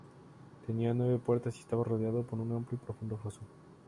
Tenía nueve puertas y estaba rodeado por un amplio y profundo foso.